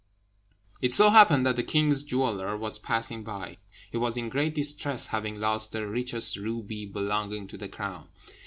It so happened that the king's jeweller was passing by. He was in great distress, having lost the richest ruby belonging to the crown.